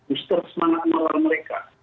uster semangat malam mereka